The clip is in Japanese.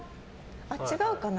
あ、違うかな。